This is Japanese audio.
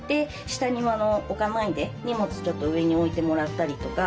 下に置かないで荷物ちょっと上に置いてもらったりとか。